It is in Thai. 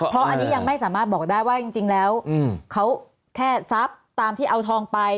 เพราะอันนี้ยังไม่สามารถบอกได้ว่าจริงแล้วเขาแค่ทรัพย์ตามที่เอาทองไป